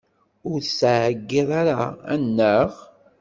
Ur teɛyiḍ ara, annaɣ?